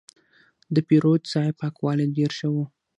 د پیرود ځای پاکوالی ډېر ښه و.